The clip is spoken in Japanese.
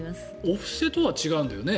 お布施とは違うんだよね？